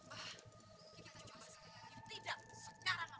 apa yang celaka ruslan